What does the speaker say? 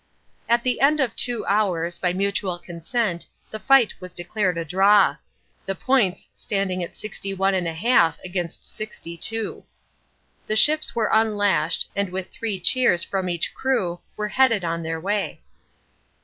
At the end of two hours, by mutual consent, the fight was declared a draw. The points standing at sixty one and a half against sixty two. The ships were unlashed, and with three cheers from each crew, were headed on their way.